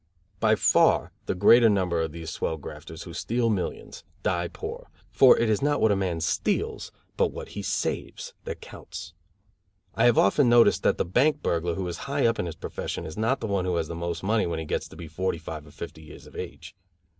By far the greater number of these swell grafters who steal millions die poor, for it is not what a man steals, but what he saves, that counts. I have often noticed that the bank burglar who is high up in his profession is not the one who has the most money when he gets to be forty five or fifty years of age.